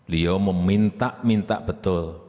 dia meminta betul